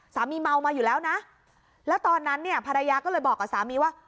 สามีเมามาอยู่แล้วนะแล้วตอนนั้นเนี่ยภรรยาก็เลยบอกกับสามีว่า